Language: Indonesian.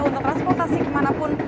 untuk transportasi kemana pun